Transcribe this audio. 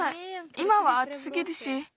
いまはあつすぎるし。